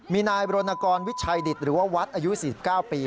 มีนายบรณกรวิชัยดิตหรือว่าวัดอายุ๔๙ปี